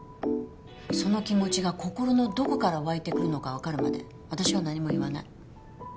その気持ちが心のどこから湧いてくるのかわかるまで私は何も言わない。